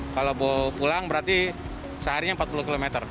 kalau mau pulang berarti seharinya empat puluh km